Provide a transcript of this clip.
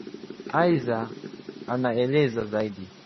Aidha, anaeleza zaidi